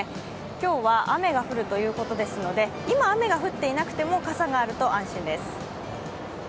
今日は雨が降るということですので、今雨が降っていなくても傘があると安心です。